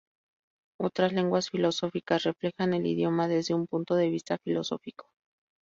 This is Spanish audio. Otras lenguas filosóficas reflejan el idioma desde un punto de vista filosófico.